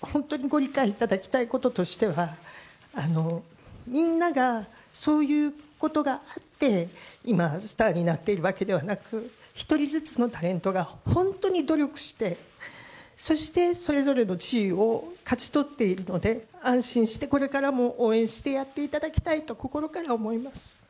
本当にご理解いただきたいこととしては、みんながそういうことがあって今、スターになっているわけではなく、一人ずつのタレントが本当に努力して、そしてそれぞれの地位を勝ち取っているので、安心してこれからも応援してやっていただきたいと心から思います。